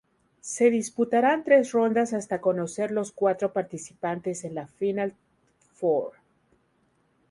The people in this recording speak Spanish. Se disputarán tres rondas hasta conocer los cuatro participantes en la Final Four.